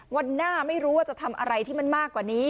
วันหน้าไม่รู้ว่าจะทำอะไรที่มันมากกว่านี้